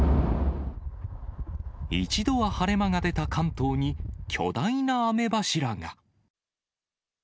一度は晴れ間が出た関東に、巨大な雨柱が。